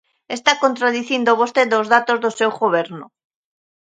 Está contradicindo vostede os datos do seu goberno.